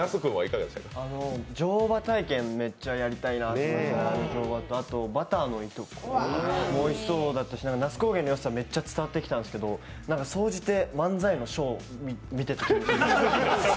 乗馬体験やってみたいなっていうのとあとバターのいとこもおいしそうだったし那須高原のよさがめっちゃ伝わってきたんですけど、総じて漫才のショー見てたみたいな。